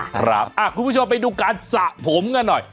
คุณผู้ชมไปดูการสระผมกันหน่อย